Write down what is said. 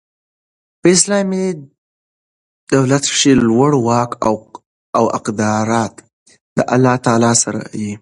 په اسلامي دولت کښي لوړ واک او اقتدار د الله تعالی سره يي.